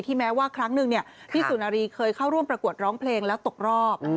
แม้ว่าครั้งหนึ่งพี่สุนารีเคยเข้าร่วมประกวดร้องเพลงแล้วตกรอบ